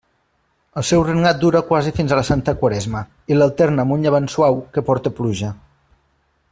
El seu regnat dura quasi fins a la santa Quaresma, i l'alterna amb un llevant suau que porta pluja.